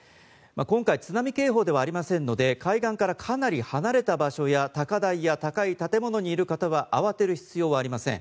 今回津波警報ではありませんので海岸からかなり離れた場所や高台や高い建物にいる方は慌てる必要はありません。